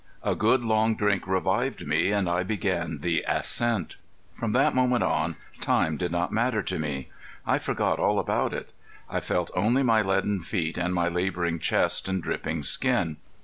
A good, long drink revived me and I began the ascent. From that moment on time did not matter to me. I forgot all about it. I felt only my leaden feet and my laboring chest and dripping skin.